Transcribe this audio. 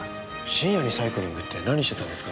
深夜にサイクリングって何してたんですかね？